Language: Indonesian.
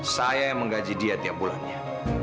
saya yang menggaji dia tiap bulannya